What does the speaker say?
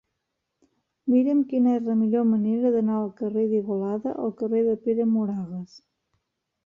Mira'm quina és la millor manera d'anar del carrer d'Igualada al carrer de Pere Moragues.